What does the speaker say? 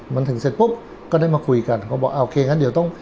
มันถึงเสร็จปุ๊บก็ได้มาคุยกันเขาก็บอกโอเคงั้นเดี๋ยวต้อง